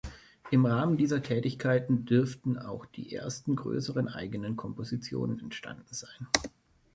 Im Rahmen dieser Tätigkeiten dürften auch die ersten größeren eigenen Kompositionen entstanden sein.